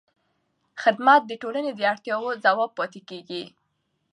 خدمت د ټولنې د اړتیاوو ځواب پاتې کېږي.